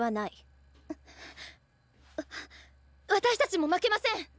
私たちも負けません！